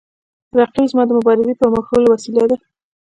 رقیب زما د مبارزې د پرمخ وړلو وسیله ده